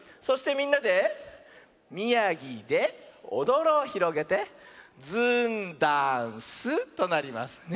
そしてみんなで「みやぎでおどろ」ひろげて「ずんだんす！」となります。